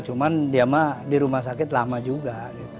cuman dia mah di rumah sakit lama juga